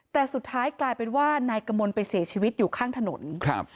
แต่สุดท้ายกลายเป็นว่านายกมลไปเสียชีวิตอยู่ข้างถนนครับ